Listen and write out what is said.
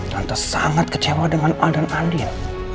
tante sangat kecewa dengan al dan andin